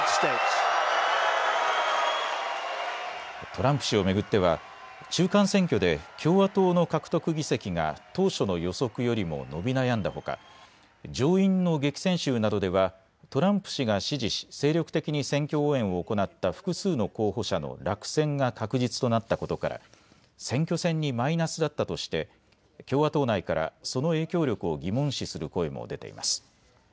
トランプ氏を巡っては中間選挙で共和党の獲得議席が当初の予測よりも伸び悩んだほか上院の激戦州などではトランプ氏が支持し精力的に選挙応援を行った複数の候補者の落選が確実となったことから選挙戦にマイナスだったとして共和党内からその影響力を疑問視する声も出ています。